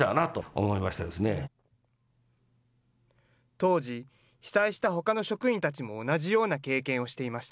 当時、被災したほかの職員たちも同じような経験をしていました。